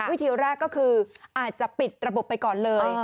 วิธีแรกก็คืออาจจะปิดระบบไปก่อนเลย